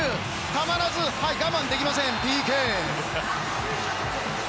たまらず、我慢できません！